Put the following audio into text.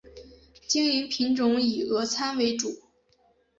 经营品种以俄餐为主。